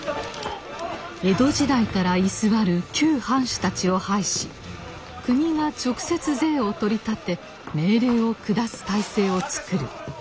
江戸時代から居座る旧藩主たちを廃し国が直接税を取り立て命令を下す体制を作る。